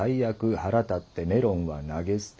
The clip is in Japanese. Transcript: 腹立ってメロンは投げ捨てた」。